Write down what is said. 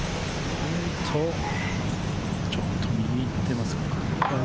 ちょっと右に行ってますね。